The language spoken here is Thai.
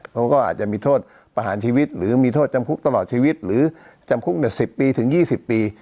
เขาก็อาจจะมีโทษประหารชีวิตหรือมีโทษจำคุกตลอดชีวิตหรือจำคุก๑๐ปีถึง๒๐ปี